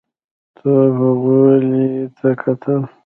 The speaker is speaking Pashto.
تواب غولي ته کتل….